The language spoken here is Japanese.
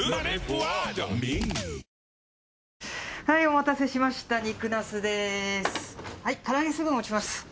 はいお待たせしました肉なすです。